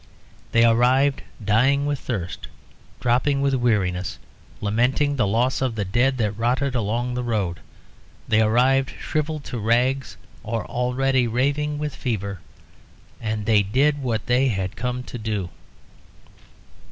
They arrived dying with thirst, dropping with weariness, lamenting the loss of the dead that rotted along their road; they arrived shrivelled to rags or already raving with fever and they did what they had come to do.